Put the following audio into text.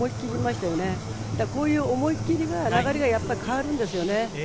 こういう思い切りで流れが変わるんですよね。